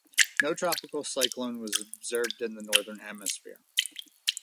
No tropical cyclone was observed in the northern hemisphere.